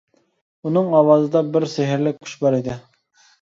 ئۇنىڭ ئاۋازىدا بىر سېھىرلىك كۈچ بار ئىدى.